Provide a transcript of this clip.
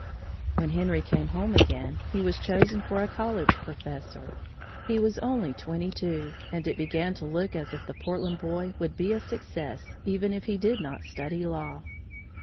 When Henry came home again, he was chosen for a college professor. He was only twenty two, and it began to look as if the Portland boy would be a success even if he did not study law.